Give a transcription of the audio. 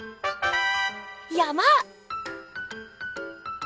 「山」！